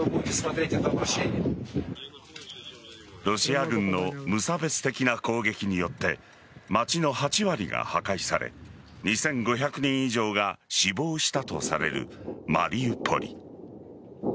ロシア軍の無差別的な攻撃によって街の８割が破壊され２５００人以上が死亡したとされるマリウポリ。